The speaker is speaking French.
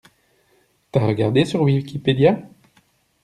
T'as regardé sur wikipedia?